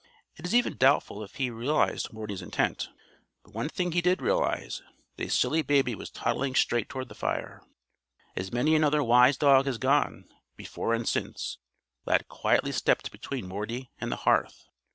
It is even doubtful if he realized Morty's intent. But one thing he did realize that a silly baby was toddling straight toward the fire. As many another wise dog has gone, before and since, Lad quietly stepped between Morty and the hearth.